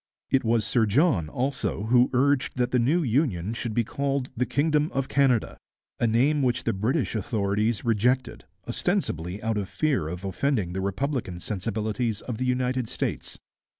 ' It was Sir John also who urged that the new union should be called the 'Kingdom of Canada,' a name which the British authorities rejected, ostensibly out of fear of offending the republican sensibilities of the United States.